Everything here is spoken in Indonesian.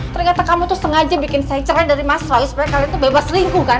ternyata kamu tuh sengaja bikin saya cerai dari mas roy supaya kalian tuh bebas lingkungan